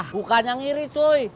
bukan yang iri cuy